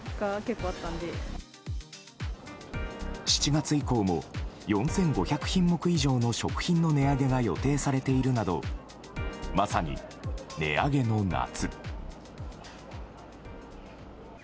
７月以降も４５００品目以上の食品の値上げが予定されているなどまさに、値上げの夏。